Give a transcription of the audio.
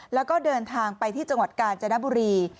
แล้วก็เดินทางไปที่จังหวัดกาญจนบุรี